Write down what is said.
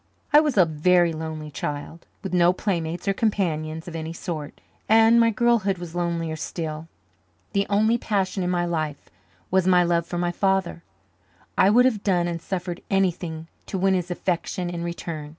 I was a very lonely child, with no playmates or companions of any sort, and my girlhood was lonelier still. The only passion in my life was my love for my father. I would have done and suffered anything to win his affection in return.